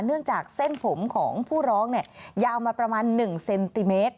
เนื่องจากเส้นผมของผู้ร้องยาวมาประมาณ๑เซนติเมตร